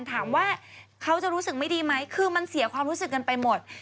ถามว่าเขาจะรู้สึกไม่ดีไหมคือมันเสียความรู้สึกกันไปหมด